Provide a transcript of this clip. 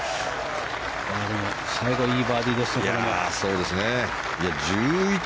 最後いいバーディーでしたけども。